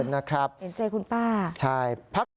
นะครับเพียงใจคุณป้าใช่